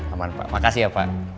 aman pak makasih ya pak